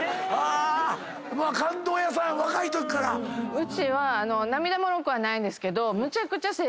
うちは涙もろくはないんですけど。